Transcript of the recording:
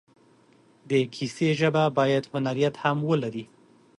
د کیسې ژبه باید هنریت هم ولري.